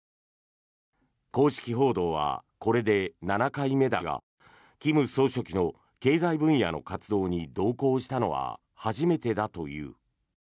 公式報道はこれで７回目だが金総書記の経済分野の活動に同行したのは初めてだという。